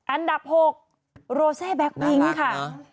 อันดับ๖โรเซแบ็คพิ้งค่ะ